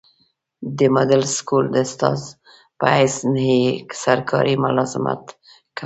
دمډل سکول د استاذ پۀ حيث ئي سرکاري ملازمت کولو